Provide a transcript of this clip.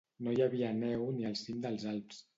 No hi havia neu ni al cim dels Alps.